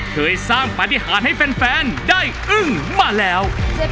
เคยสร้างปฏิหารให้แฟนได้อึ้งมาแล้ว